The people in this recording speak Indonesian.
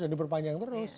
dan diperpanjang terus